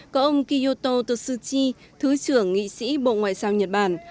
có ông kiyoto totsuchi thứ trưởng nghị sĩ bộ ngoại giao nhật bản